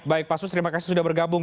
baik pak sus terima kasih sudah bergabung